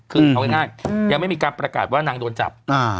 คือเอาง่ายยังไม่มีการประกาศว่านางโดนจับ